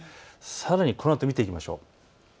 さらにこのあと見ていきましょう。